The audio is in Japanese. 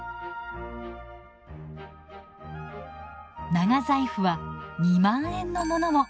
長財布は２万円のものも！